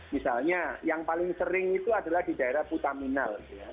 misalnya yang paling sering itu adalah di daerah putaminal